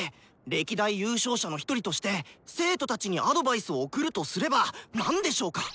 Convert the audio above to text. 歴代優勝者の一人として生徒たちにアドバイスを送るとすれば何でしょうか？